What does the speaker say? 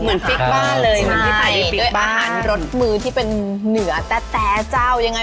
เหมือนฟิกบ้านเลยใช่ด้วยอาหารรสมือที่เป็นเหนือแต่แต่เจ้ายังไง